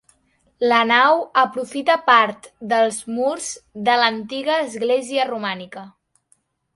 La nau aprofita part dels murs de l'antiga església romànica.